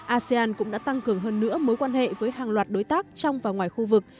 asean cũng đã tăng cường hơn nữa mối quan hệ với hàng loạt đối tác trong và ngoài khu vực